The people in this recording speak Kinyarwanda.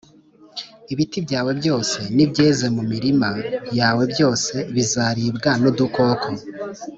ibiti byawe byose n’ibyeze mu mirima yawe byose bizaribwa n’udukoko